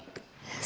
saya lagi ramah